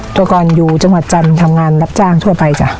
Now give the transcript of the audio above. ตัวก่อนอยู่จังหวัดจันทร์ทำงานรับจ้างทั่วไปจ้ะ